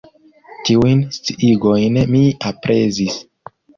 Tiujn sciigojn mi aprezis.